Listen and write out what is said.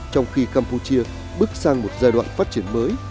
trong khi campuchia bước sang một giai đoạn phát triển mới